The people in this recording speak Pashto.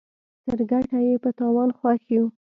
تر ګټه ئې په تاوان خوښ يو.